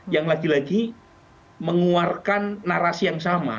yang lagi lagi mengeluarkan narasi yang sama